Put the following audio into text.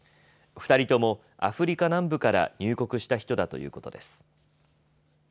２人ともアフリカ南部から入国した人だということです。